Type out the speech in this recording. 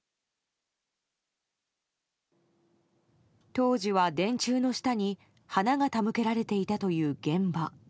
当時は電柱の下に花が手向けられていたという現場。